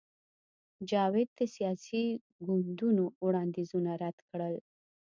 جاوید د سیاسي ګوندونو وړاندیزونه رد کړل